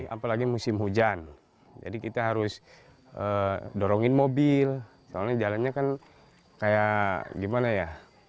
apalagi musim hujan jadi kita harus dorongin mobil soalnya jalannya kan kayak gimana ya